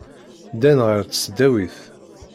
Ddan ɣer tesdawit.